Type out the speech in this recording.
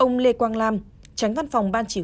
ông lê quang lam tránh văn phòng ban chủ tịch